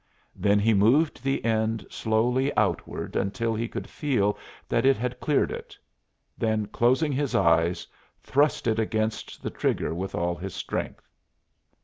Then he moved the end slowly outward until he could feel that it had cleared it, then, closing his eyes, thrust it against the trigger with all his strength!